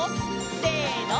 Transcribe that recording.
せの！